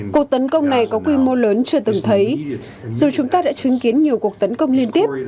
cuộc tấn công này có quy mô lớn chưa từng thấy dù chúng ta đã chứng kiến nhiều cuộc tấn công liên tiếp